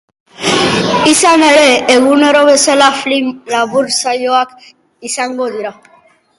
Izan ere, egunero bezala film labur saioak izango dira.